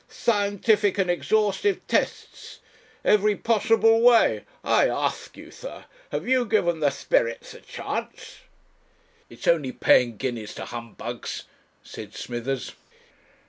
Scientific and exhaustive tests! Every possible way. I ask you, sir have you given the spirits a chance?" "It is only paying guineas to humbugs," said Smithers.